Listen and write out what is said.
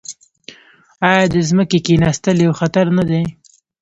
آیا د ځمکې کیناستل یو خطر نه دی؟